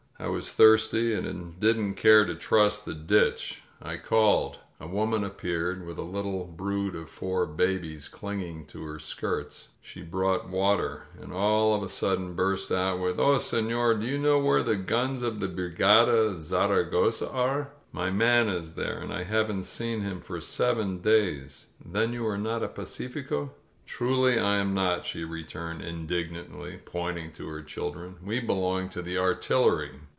I was thirsty and didn't care to trust the ditch. I called. A woman ap peared, with a little brood of four babies clinging to her skirts. She brought water, and all of a sudden burst out with, "O senor, do you know where the guns of the Brigada Zaragosa are? Mv man is there, and I haven't seen him for seven days." 'TThen you are not a p^cificof "Truly I am not," she returned indignantly, point ing to her children. "We belong to the artillery."